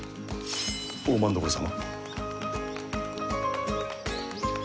大政所様。